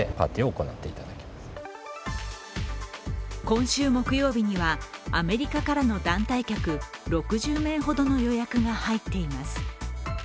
今週木曜日には、アメリカからの団体客６０名ほどの予約が入っています。